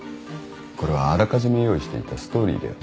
これはあらかじめ用意していたストーリーだよ。